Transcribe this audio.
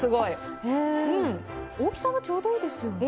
大きさはちょうどいいですよね。